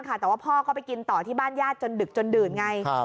แต่ว่าพ่อก็ไปกินต่อที่บ้านญาติจนดึกจนดื่นไง